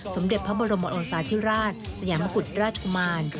สมเด็จพระบรมโอสาธิราชสยามกุฎราชกุมาร